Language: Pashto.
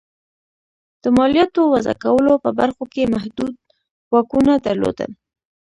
د مالیاتو وضعه کولو په برخو کې محدود واکونه درلودل.